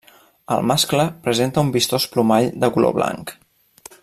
El mascle presenta un vistós plomall de color blanc.